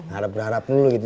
harap berharap dulu gitu